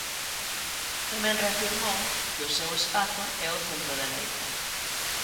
Tamén reafirmou que o seu espazo é o centrodereita.